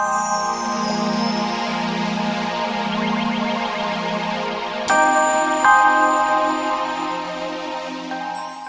ini baru aja kita berdua